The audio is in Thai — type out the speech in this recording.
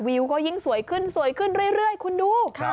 วิวก็ยิ่งสวยขึ้นสวยขึ้นเรื่อยคุณดู